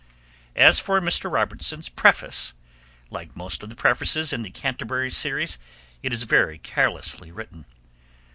As for Mr. Robertson's preface, like most of the prefaces in the Canterbury Series, it is very carelessly written.